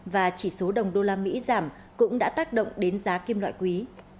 và chỉ số đồng usd giảm cũng đã tác động đến giá kim loại quý